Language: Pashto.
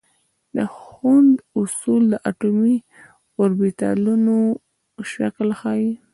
د هوند اصول د اټومي اوربیتالونو شکل ښيي.